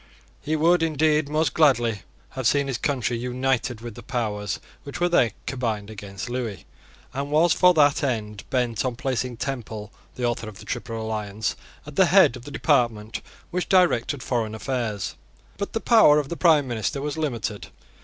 He would indeed most gladly have seen his country united with the powers which were then combined against Lewis, and was for that end bent on placing Temple, the author of the Triple Alliance, at the head of the department which directed foreign affairs. But the power of the prime minister was limited.